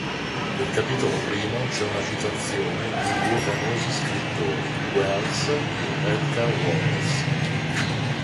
Nel capitolo primo c'è una citazione di due famosi scrittori, Wells e Edgar Wallace.